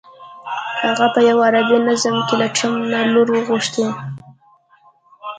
هغه په یوه عربي نظم کې له ټرمپ نه لور غوښتې.